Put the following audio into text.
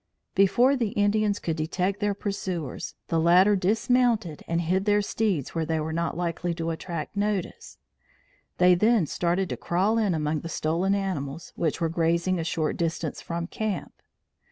Before the Indians could detect their pursuers, the latter dismounted and hid their steeds where they were not likely to attract notice. They then started to crawl in among the stolen animals, which were grazing a short distance from camp.